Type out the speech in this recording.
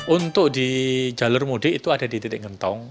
untuk di jalur mudik itu ada di titik ngentong